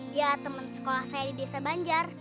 dia teman sekolah saya di desa banjar